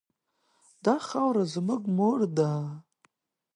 دا خاوره زموږ مور ده.